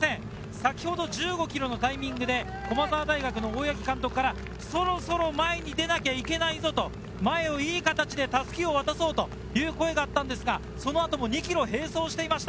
先ほど１５ｋｍのタイミングで駒澤大学・大八木監督からそろそろ前に出なきゃいけないぞと、前をいい形で襷を渡そうという声だったんですが、そのあと２ｋｍ並走していました。